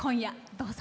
どうぞ。